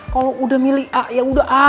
kalau udah milih a ya udah a